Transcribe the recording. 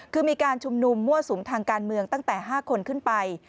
คือมีการชุมนุมมั่วสุมทางการเมืองตั้งแต่๕คนขึ้นไป